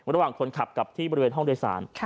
ระหว่างคนขับกับที่บริเวณห้องโดยสาร